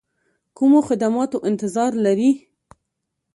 کومو خدماتو انتظار لري.